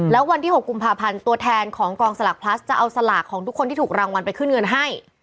แล้ววันที่๖กุมภาพันธ์ตัวแทนของกองสลากพลัสจะเอาสลากของทุกคนที่ถูกรางวัลไปขึ้นเงินให้